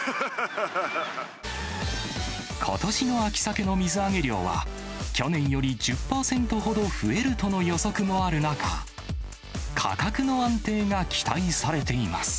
ことしの秋サケの水揚げ量は、去年より１０％ほど増えるとの予測もある中、価格の安定が期待されています。